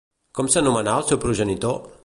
Com s'anomenà el seu progenitor?